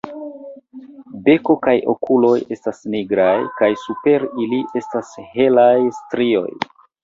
Beko kaj okuloj estas nigraj kaj super ili estas helaj strioj.